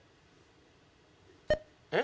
えっ？